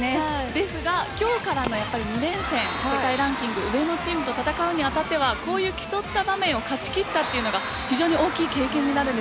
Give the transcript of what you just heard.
ですが今日からの２連戦世界ランキング上のチームと戦うにあたってはこういう競った場面を勝ち切ったというのが大きな経験です。